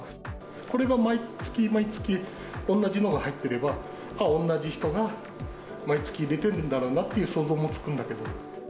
これが毎月毎月、おんなじのが入ってれば、あっ、おんなじ人が毎月、入れてるんだろうなっていう想像もつくんだけど。